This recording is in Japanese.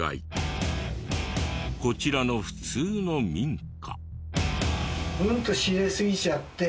こちらの普通の民家。